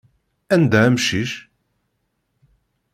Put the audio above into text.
Anda amcic?